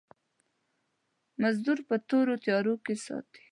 مزدور په تورو تيارو کې ساتي.